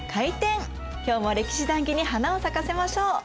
今日も歴史談義に花を咲かせましょう。